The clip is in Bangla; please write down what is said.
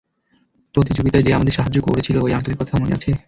প্রতিযোগিতায় যে আমাদের সাহায্য করেছিল ওই আঙ্কেলের কথা মনে আছে?